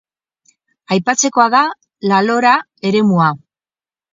Aipatzekoa da La Lora eremua.